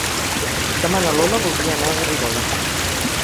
Demà na Lola voldria anar a Garrigoles.